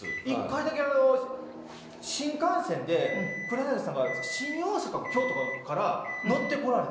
１回だけあの新幹線で黒柳さんが新大阪か京都から乗ってこられて。